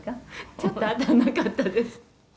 「ちょっと当たらなかったです」